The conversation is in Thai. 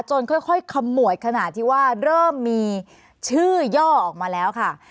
ค่อยขมวดขนาดที่ว่าเริ่มมีชื่อย่อออกมาแล้วค่ะ